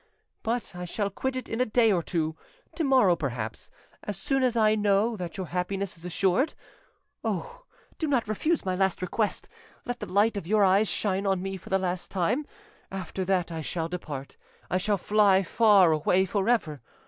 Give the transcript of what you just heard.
But I shall quit it in a day or two, to morrow perhaps—as soon as I know that your happiness is assured. Oh! do not refuse my last request; let the light of your eyes shine on me for the last time; after that I shall depart—I shall fly far away for ever.